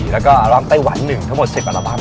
แล้วก็ร้องไต้หวัน๑ทั้งหมด๑๐อัลบั้ม